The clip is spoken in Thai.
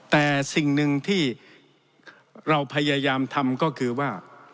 แต่สิ่งหนึ่งที่เราพยายามทำก็คือว่า